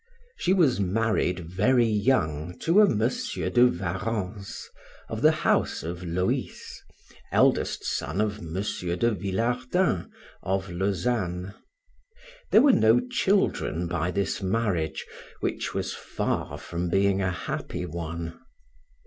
She was married very young to a M. de Warrens, of the house of Loys, eldest son of M. de Villardin, of Lausanne; there were no children by this marriage, which was far from being a happy one.